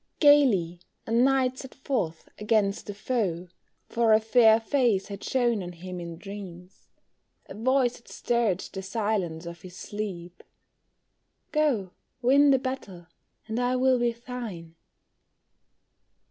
Gayly a knight set forth against the foe, For a fair face had shone on him in dreams; A voice had stirred the silence of his sleep, "Go win the battle, and I will be thine."